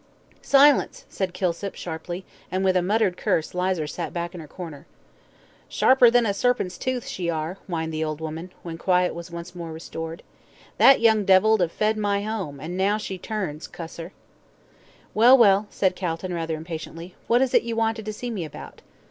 "Silence!" said Kilsip, sharply, and, with a muttered curse, Lizer sat back in her corner. "Sharper than a serpent's tooth, she are," whined the old woman, when quiet was once more restored. "That young devil 'ave fed at my 'ome, an' now she turns, cuss her." "Well well," said Calton, rather impatiently, "what is it you wanted to see me about?"